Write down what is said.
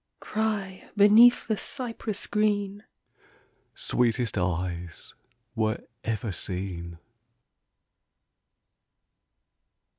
Cry, beneath the cypress green, "Sweetest eyes were ever seen!"